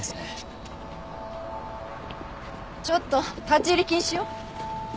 ちょっと立ち入り禁止よ。